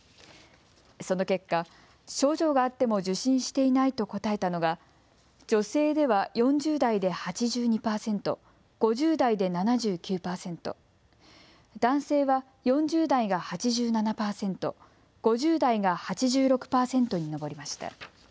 その結果、症状があっても受診していないと答えたのが、女性では４０代で８２％、５０代で７９％、男性は４０代が８７％、５０代が８６％に上りました。